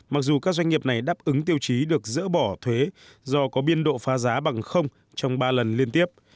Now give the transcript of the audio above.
mặc dù các doanh nghiệp này đáp ứng tiêu chí được dỡ bỏ thuế do có biên độ phá giá bằng trong ba lần liên tiếp